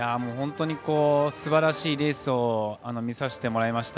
すばらしいレースを見させてもらいました。